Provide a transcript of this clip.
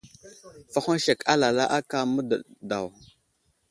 Fahoŋ sek alala aka mə́dəɗ daw.